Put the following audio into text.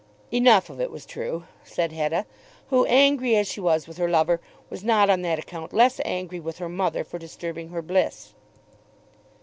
"Enough of it was true," said Hetta, who, angry as she was with her lover, was not on that account less angry with her mother for disturbing her bliss.